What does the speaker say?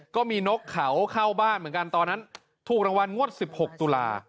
ก็มีนกเขาเข้าบ้านเหมือนกันตอนนั้นถูกรางวัลงวด๑๖ตุลา